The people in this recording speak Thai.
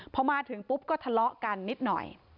พอมาถึงปุ๊บก็ทะเลาะกันนิดหน่อย